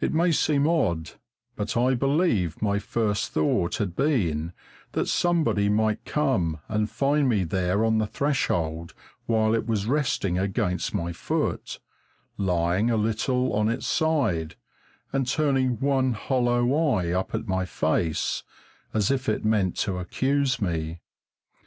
It may seem odd, but I believe my first thought had been that somebody might come and find me there on the threshold while it was resting against my foot, lying a little on its side, and turning one hollow eye up at my face, as if it meant to accuse me.